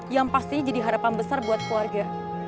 yang pastinya jadi harapan besar buat keluarga